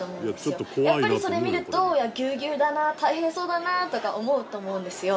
やっぱりそれ見るとギュウギュウだな大変そうだなとか思うと思うんですよ。